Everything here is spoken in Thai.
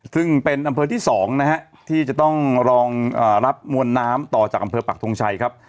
ซึ่งเป็นอำเภอที่๒นะฮะที่จะต้องรองรับมวลน้ำต่อจากอำเภอปักทงชัยครับ